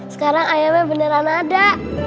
sekarang ayamnya beneran ada